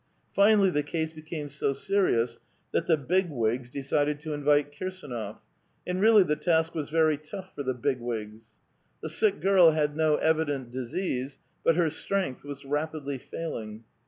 Finally the case became so serious that the Big Wigs decided to invite Kirsdnof ; and really the task was very tough for the Big Wigs. The sick girl had no evident disease, but her strength was rapidly failing.